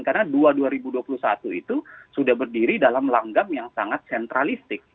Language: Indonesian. karena dua dua ribu dua puluh satu itu sudah berdiri dalam langgam yang sangat sentralistik